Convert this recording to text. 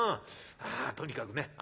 あとにかくね